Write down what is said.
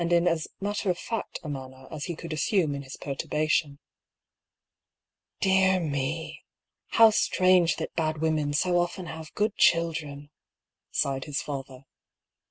PAULL*S THEORY. in as matter of fact a manner as he could assume in his perturbation. " Dear me ! How strange that bad women so often have good children I "sighed his father.